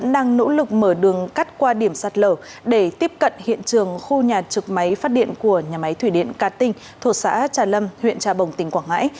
đang nỗ lực mở đường cắt qua điểm sạt lở để tiếp cận hiện trường khu nhà trực máy phát điện của nhà máy thủy điện cát tinh thuộc xã trà lâm huyện trà bồng tỉnh quảng ngãi